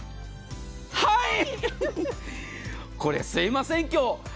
これ、すいません今日。